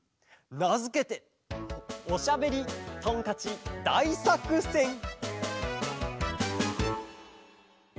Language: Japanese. なづけて「おしゃべりトンカチだいさくせん」！